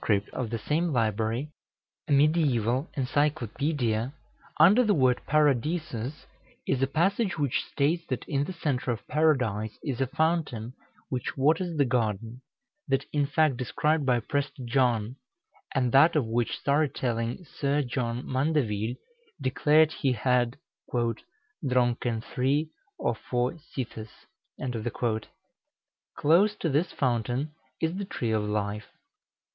of the same library, a mediæval encyclopædia, under the word Paradisus is a passage which states that in the centre of Paradise is a fountain which waters the garden that in fact described by Prester John, and that of which story telling Sir John Mandeville declared he had "dronken 3 or 4 sithes." Close to this fountain is the Tree of Life.